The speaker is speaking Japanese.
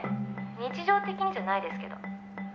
日常的にじゃないですけど」